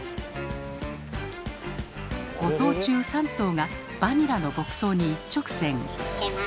５頭中３頭が「バニラ」の牧草に一直線。